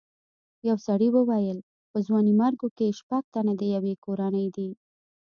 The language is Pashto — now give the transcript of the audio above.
یو سړي وویل په ځوانیمرګو کې شپږ تنه د یوې کورنۍ دي.